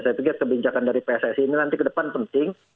saya pikir kebijakan dari pssi ini nanti ke depan penting